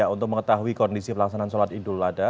untuk mengetahui kondisi pelaksanaan sholat idul adha